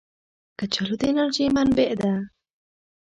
کچالو د انرژۍ منبع ده